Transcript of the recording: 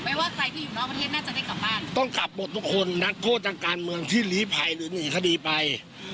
ว่าใครที่อยู่นอกประเทศน่าจะได้กลับบ้านต้องกลับหมดทุกคนนักโทษทางการเมืองที่หลีภัยหรือหนีคดีไป